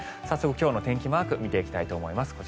早速、今日の天気マーク見ていきたいと思います。